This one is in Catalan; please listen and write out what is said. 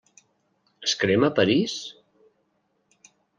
Es crema París?